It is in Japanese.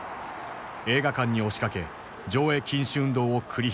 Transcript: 映画館に押しかけ上映禁止運動を繰り広げた。